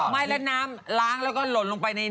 ไม่แล้วน้ำล้างแล้วก็หล่นลงไปใน